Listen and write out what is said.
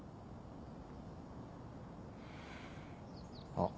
あっ。